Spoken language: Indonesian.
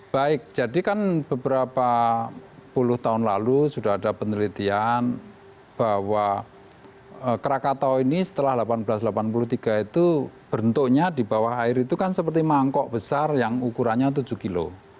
baik jadi kan beberapa puluh tahun lalu sudah ada penelitian bahwa krakatau ini setelah seribu delapan ratus delapan puluh tiga itu bentuknya di bawah air itu kan seperti mangkok besar yang ukurannya tujuh kilo